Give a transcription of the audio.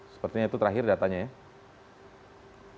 sepertinya itu terakhir datanya ya